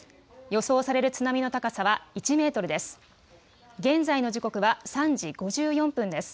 予想される津波の高さは１メートルです。